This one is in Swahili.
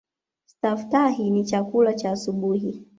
Staftahi ni chakula cha asubuhi.